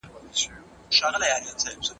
څو جهان وي، څو د مینې کارنامې وي